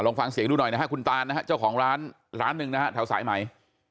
ลองฟังเสียงดูหน่อยนะครับคุณตานนะครับเจ้าของร้าน๑นึงนะครับแถวสายใหม่